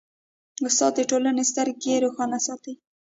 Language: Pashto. استاد د ټولنې سترګې روښانه ساتي.